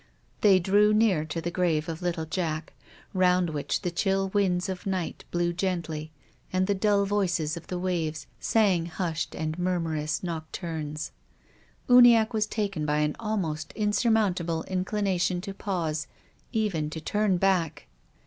They drew near to the grave of little Jack, round which the chill winds of night blew gently and the dull voices THE GRAVE. 97 of the waves sang hushed and murmurous noc turnes. Uniacke was taken b)' an almost insur mountable inclination to pause, even to turn back.